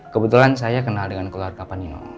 kebetulan saya kenal dengan keluarga panino